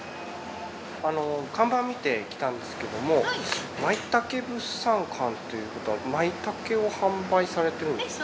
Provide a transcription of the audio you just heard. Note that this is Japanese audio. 看板見て来たんですけどもまいたけ物産館っていうことはまいたけを販売されてるんですか？